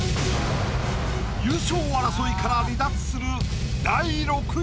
優勝争いから離脱する。